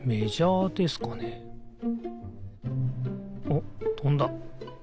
おっとんだ。